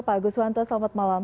pak gus suwanto selamat malam